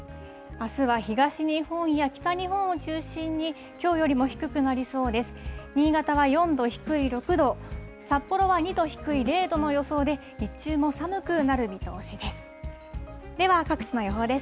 あすは東日本や北日本を中心に、きょうよりも低くなりそうです。